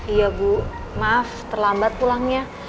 iya bu maaf terlambat pulangnya